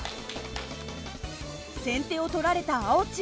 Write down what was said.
先手を取られた青チーム。